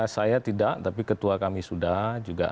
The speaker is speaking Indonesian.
saya tidak tapi ketua kami sudah juga